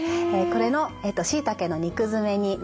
これのしいたけの肉詰めになります。